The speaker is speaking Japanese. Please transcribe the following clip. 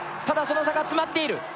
ただ、その差が詰まっている。